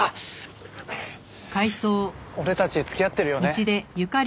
俺たち付き合ってるよね？